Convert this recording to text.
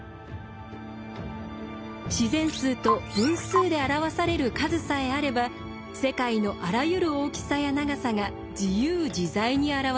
自然数と分数で表される数さえあれば世界のあらゆる大きさや長さが自由自在に表せました。